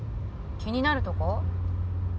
気になるとこ？